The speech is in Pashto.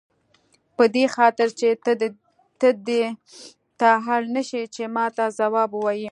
په دې خاطر چې ته دې ته اړ نه شې چې ماته ځواب ووایې.